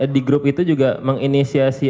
di grup itu juga menginisiasi